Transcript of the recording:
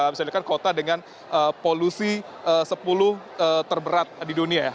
misalkan kota dengan polusi sepuluh terberat di dunia ya